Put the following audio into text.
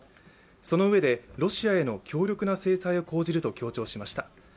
そのうえで、ロシアへの強力な制裁を講じると強調しました。